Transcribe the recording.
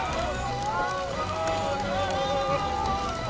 assalamualaikum warahmatullahi wabarakatuh